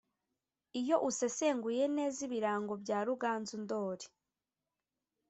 Iyo usesenguye neza ibirango bya Ruganzu Ndoli